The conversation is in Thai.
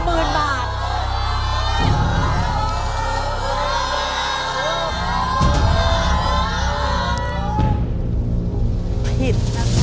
ผิดนะครับ